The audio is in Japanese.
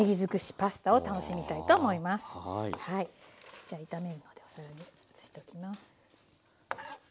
じゃあ炒めるのでお皿に移しておきます。